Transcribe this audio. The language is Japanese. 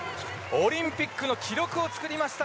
オリンピックの記録を作りました